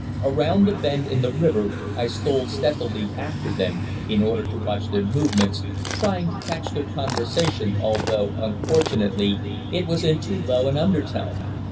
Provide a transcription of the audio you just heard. Around the bend in the river I stole stealthily after them, in order to watch their movements, trying to catch their conversation, although, unfortunately, it was in too low an undertone.